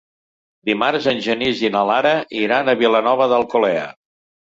Dimarts en Genís i na Lara iran a Vilanova d'Alcolea.